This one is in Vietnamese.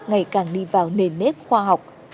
ngày càng đi vào nền nếp khoa học